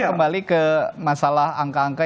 kembali ke masalah angka angka